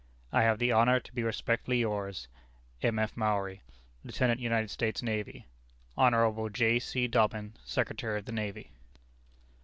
"I have the honor to be respectfully yours. "M. F. Maury, "Lieutenant United States Navy. "Hon. J. C. Dobbin, Secretary of the Navy."